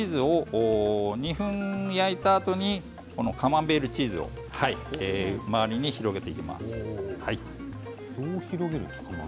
２分焼いたあとにカマンベールチーズを周りに広げていきます。